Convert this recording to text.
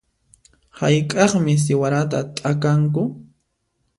Hayk'aqmi siwarata t'akanku?